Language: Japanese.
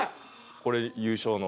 これ優勝の。